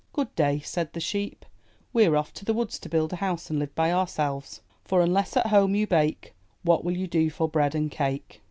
"Good day," said the sheep. "We're off to the woods to build a house and live by ourselves. For, unless at home you bake, what will you do for bread and cake?"